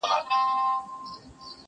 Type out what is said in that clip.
يوه ورځ وو د سرکار دام ته لوېدلى،